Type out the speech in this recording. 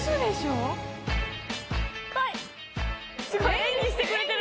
すごい演技してくれてる。